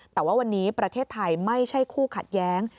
แต่ว่าวันนี้ประเทศไทยไม่ใช่คู่ขัดแย้ง